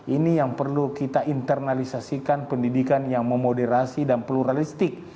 ini yang perlu kita internalisasikan pendidikan yang memoderasi dan pluralistik